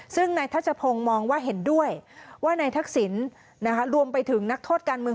ซึ่งนายทัชพงศ์มองว่าเห็นด้วยว่านายทักษิณรวมไปถึงนักโทษการเมือง